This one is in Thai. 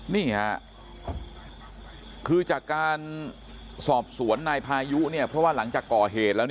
นี่ค่ะคือจากการสอบสวนนายพายุเนี่ยเพราะว่าหลังจากก่อเหตุแล้ว